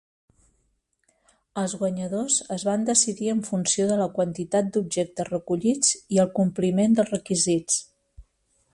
Els guanyadors es van decidir en funció de la quantitat d'objectes recollits i el compliment dels requisits.